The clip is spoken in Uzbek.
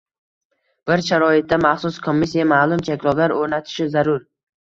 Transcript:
Bir sharoitda maxsus komissiya maʼlum cheklovlar oʻrnatishi zarur.